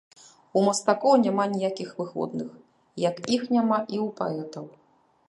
У мастакоў няма ніякіх выходных, як іх няма і ў паэтаў.